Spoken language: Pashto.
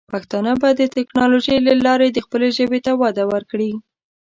پښتانه به د ټیکنالوجۍ له لارې د خپلې ژبې ته وده ورکړي.